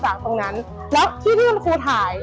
ตรงนั้นแล้วที่ที่คุณครูถ่าย